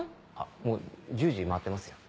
もう１０時回ってますよ。